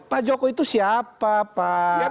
pak jokowi itu siapa pak